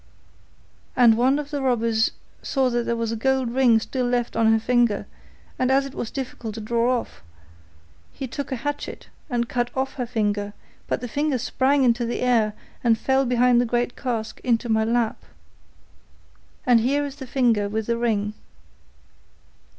'And one of the robbers saw that there was a gold ring still left on her finger, and as it was difficult to draw off, he took a hatchet and cut off her finger; but the finger sprang into the air and fell behind the great cask into my lap. And here is the finger with the ring.